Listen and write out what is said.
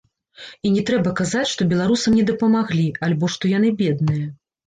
І не трэба казаць, што беларусам не дапамаглі, альбо што яны бедныя.